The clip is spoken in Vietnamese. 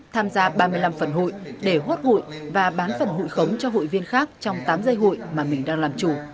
tham gia ba mươi năm phần hụi để hốt hụi và bán phần hụi khống cho hụi viên khác trong tám dây hụi mà mình đang làm chủ